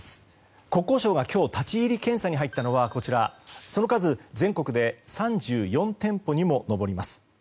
国交省が立ち入り検査に入ったのは全国で３４店舗に上ります。